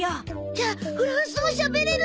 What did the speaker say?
じゃあフランス語しゃべれるの？